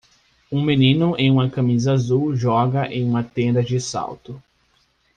Um menino em uma camisa azul joga em uma tenda de salto.